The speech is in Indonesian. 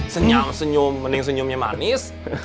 senyam senyum mending senyumnya manis